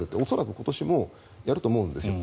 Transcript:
恐らく今年もやると思うんです。